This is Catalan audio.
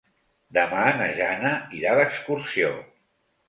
Demà na Jana irà d'excursió.